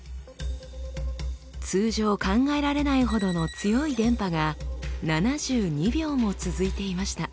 通常考えられないほどの強い電波が７２秒も続いていました。